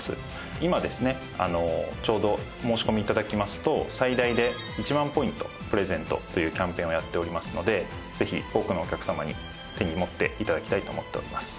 今ですねちょうど申し込み頂きますと最大で１万ポイントプレゼントというキャンペーンをやっておりますのでぜひ多くのお客様に手に持って頂きたいと思っております。